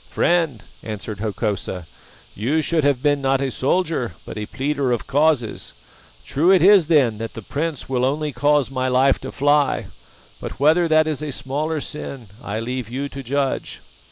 "Friend," answered Hokosa, "you should have been not a soldier but a pleader of causes. True it is then that the prince will only cause my life to fly, but whether that is a smaller sin I leave you to judge."